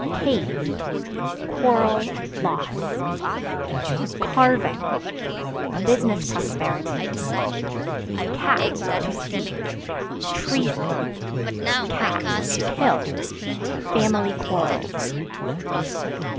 Cave Quarrel, loss. Carving Business prosperity. Cat (To see) treason; (to kill) family quarrels.